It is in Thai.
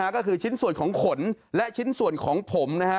ก็คือชิ้นส่วนของขนและชิ้นส่วนของผมนะฮะ